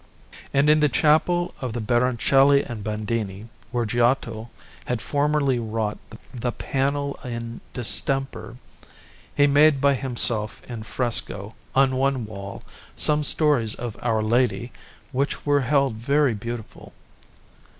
And in the Chapel of the Baroncelli and Bandini, where Giotto had formerly wrought the panel in distemper, he made by himself in fresco, on one wall, some stories of Our Lady which were held very beautiful.